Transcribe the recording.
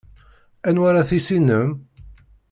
Anwa ara tissinem?